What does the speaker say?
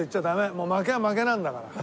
もう負けは負けなんだから。